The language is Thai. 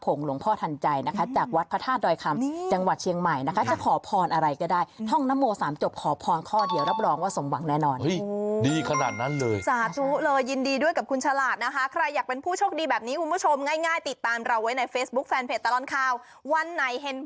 หลวงพ่อทันใจนะคะจากวัดพระธาตุดอยคำจังหวัดเชียงใหม่นะคะจะขอพรอะไรก็ได้ท่องนโมสามจบขอพรข้อเดียวรับรองว่าสมหวังแน่นอนดีขนาดนั้นเลยสาธุเลยยินดีด้วยกับคุณฉลาดนะคะใครอยากเป็นผู้โชคดีแบบนี้คุณผู้ชมง่ายติดตามเราไว้ในเฟซบุ๊คแฟนเพจตลอดข่าววันไหนเห็น